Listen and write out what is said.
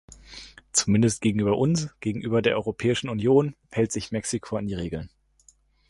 Zumindest gegenüber uns, gegenüber der Europäischen Union, hält sich Mexiko an die Regeln.